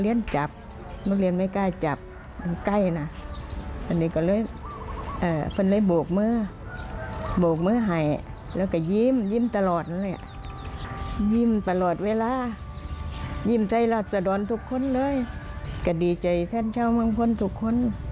ยิ่มใจรักสะดอนทุกคนเลยก็ดีใจแท่นชาวเมืองพลทุกคน